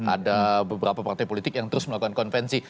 ada beberapa partai politik yang terus melakukan konvensi